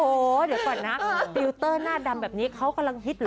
โอ้โหเดี๋ยวก่อนนะติวเตอร์หน้าดำแบบนี้เขากำลังฮิตเหรอ